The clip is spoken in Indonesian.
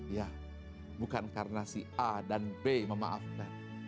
ya bukan karena si a dan b memaafkan